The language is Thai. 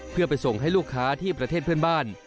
เพื่อไปส่งให้ลูกค้าที่ประเทศเพื่อนบ้าน